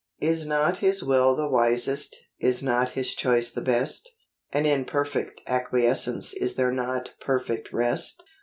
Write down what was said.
Is not His will the wisest, is not His choice the best ? And in perfect acquiescence is there not perfect rest